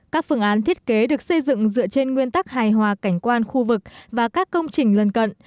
các phương án thiết kế được xây dựng dựa trên nguyên tắc hài hòa cảnh quan khu vực và các công trình lân cận